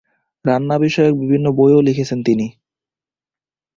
রান্না বিষয়ক বিভিন্ন বইও লিখেছেন তিনি।